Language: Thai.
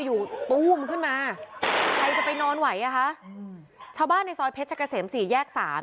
อยู่ตู้มขึ้นมาใครจะไปนอนไหวอ่ะคะชาวบ้านในซอยเพชรเกษมสี่แยกสาม